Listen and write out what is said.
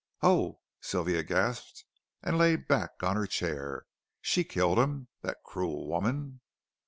"Oh," Sylvia gasped and lay back on her chair, "she killed him, that cruel woman."